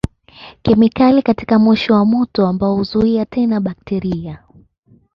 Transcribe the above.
Kemikali katika moshi wa moto wa mbao huzuia tena bakteria.